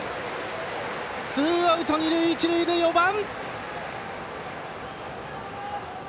ツーアウト、二塁一塁で４番！